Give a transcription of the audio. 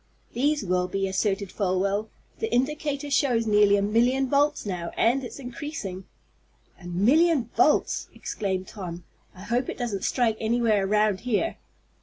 "These will be," asserted Folwell. "The indicator shows nearly a million volts now, and it's increasing." "A million volts!" exclaimed Tom. "I hope it doesn't strike anywhere around here."